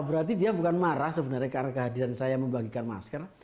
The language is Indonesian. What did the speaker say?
berarti dia bukan marah sebenarnya karena kehadiran saya membagikan masker